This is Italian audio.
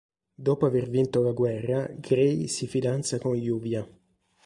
Dopo aver vinto la guerra, Gray si fidanza con Lluvia.